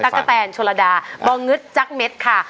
นักกระแทนชุระดาบ่องึดจั๊กเม็ดค่ะ